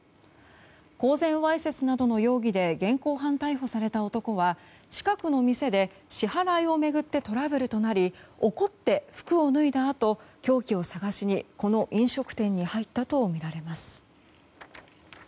公然わいせつなどの容疑で現行犯逮捕された男は近くの店で支払いを巡ってトラブルとなり怒って服を脱いだあと凶器を探しにこの飲食店に入ったとみられます。